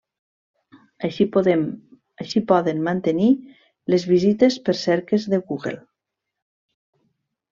Així poden mantenir les visites per cerques de Google.